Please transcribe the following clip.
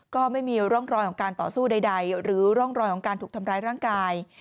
ก็ไม่มีร่องรอยของการต่อสู้ใดหรือร่องรอยของการถูกทำร้ายร่างกาย